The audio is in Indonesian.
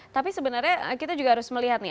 tapi sebenarnya kita juga harus melihat nih